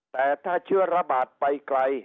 แต่ถ้าเชื้อระบาดไปไกล